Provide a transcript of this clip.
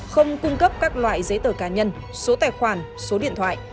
không cung cấp các loại giấy tờ cá nhân số tài khoản số điện thoại